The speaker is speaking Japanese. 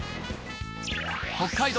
北海道